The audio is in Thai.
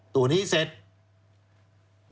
ตัวนี้เสร็จ